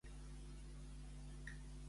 Per què es van posar les Kol·lontai?